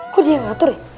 kok dia nggak atur ya